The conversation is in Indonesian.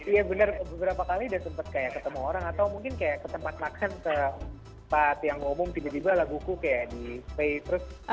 iya bener beberapa kali udah sempat kayak ketemu orang atau mungkin kayak ke tempat makan ke tempat yang ngomong tiba tiba laguku kayak di play terus